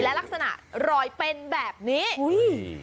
และลักษณะรอยเป็นแบบนี้อุ้ย